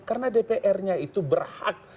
karena dpr nya itu berhak